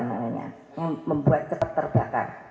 namanya yang membuat cepat terbakar